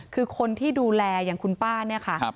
คือคนที่ดูแลอย่างคุณป้าเนี่ยค่ะ